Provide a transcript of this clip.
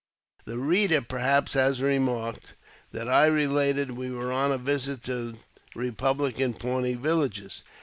The reader, perhaps, has remarked, that I related we were on a visit to Eepublican Pawnee villages.